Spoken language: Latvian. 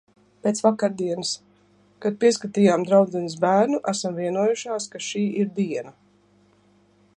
Pēc vakardienas. Kad pieskatījām draudzenes bērnu, esam vienojušās, ka šī ir diena.